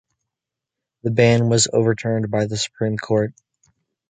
The ban was overturned by the Supreme Court.